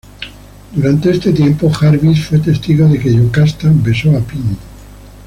Durante este tiempo, Jarvis fue testigo de que Yocasta besó a Pym.